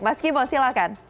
mas kimo silahkan